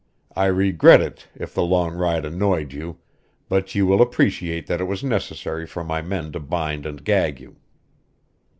I regret it if the long ride annoyed you, but you will appreciate that it was necessary for my men to bind and gag you."